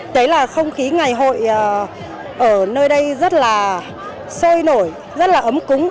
đấy là không khí ngày hội ở nơi đây rất là sôi nổi rất là ấm cúng